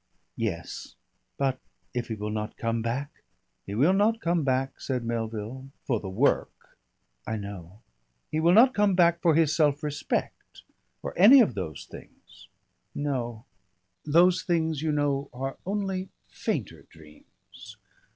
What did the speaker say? "Yes.... But if he will not come back?" "He will not come back," said Melville, "for the work." "I know." "He will not come back for his self respect or any of those things." "No." "Those things, you know, are only fainter dreams.